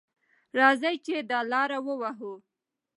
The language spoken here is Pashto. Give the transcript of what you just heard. راځئ چې دا لاره ووهو.